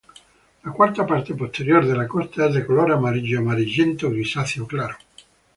La cuarta parte posterior de la costa es de color amarillo-amarillento-grisáceo claro.